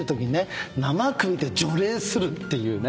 生首で除霊するっていうね。